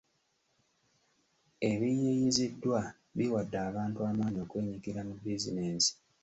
Ebiyiiyiziddwa biwadde abantu amaanyi okwenyigira mu bizinesi.